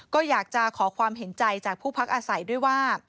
ก็อยากจะขอความเห็นใจจากผู้พักอาศัยด้วยว่า